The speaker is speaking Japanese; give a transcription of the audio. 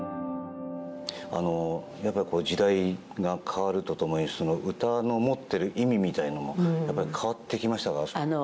やっぱり時代が変わると共に歌の持っている意味みたいなものも変わってきましたか？